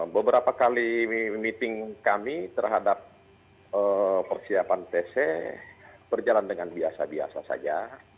beberapa kali meeting kami terhadap persiapan tc berjalan dengan biasa biasa saja